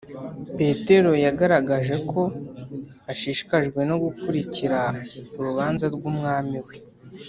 petero ntiyagaragaje ko ashishikajwe no gukurikira urubanza rw’umwami we,